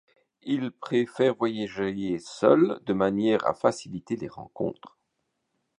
Il préfère voyager seul de manière à faciliter les rencontres.